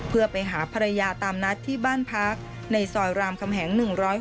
เพื่อไปหาภรรยาตามนัดที่บ้านพักในซอยรามคำแหง๑๖